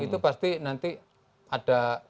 itu pasti nanti ada